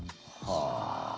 はあ。